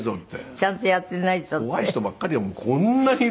ちゃんとやっていないとって。